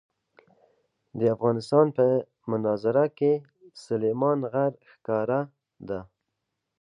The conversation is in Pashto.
د افغانستان په منظره کې سلیمان غر ښکاره ده.